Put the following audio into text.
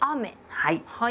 はい。